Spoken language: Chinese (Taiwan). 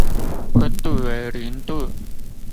溫度為零度